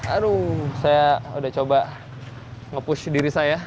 aduh saya udah coba nge push diri saya